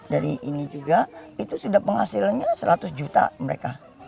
dari ini juga itu sudah penghasilannya seratus juta mereka